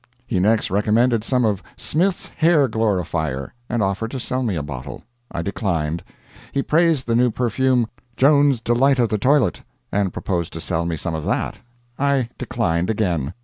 He next recommended some of "Smith's Hair Glorifier," and offered to sell me a bottle. I declined. He praised the new perfume, "Jones's Delight of the Toilet," and proposed to sell me some of that. I declined again.